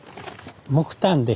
木炭です。